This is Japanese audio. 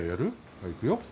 はいいくよ。